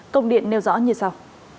công điện nêu rõ như sau